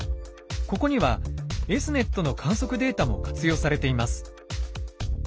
ここにはＳ−ｎｅｔの観測データも活用されています。